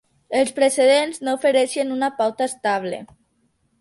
Els precedents no ofereixen una pauta estable.